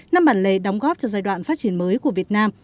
năm bản lề đóng góp cho giai đoạn phát triển mới của việt nam